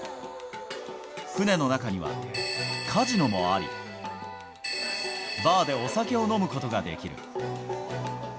船の中にはカジノもあり、バーでお酒を飲むことができる。